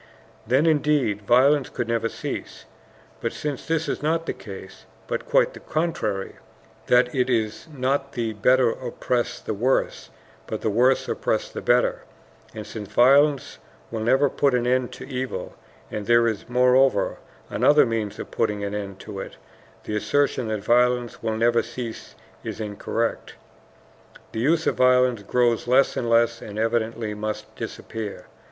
Then, indeed, violence could never cease. But since this is not the case, but quite the contrary, that it is not the better oppress the worse, but the worse oppress the better, and since violence will never put an end to evil, and there is, moreover, another means of putting an end to it, the assertion that violence will never cease is incorrect. The use of violence grows less and less and evidently must disappear.